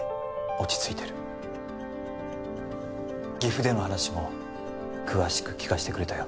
落ち着いてる岐阜での話も詳しく聞かせてくれたよ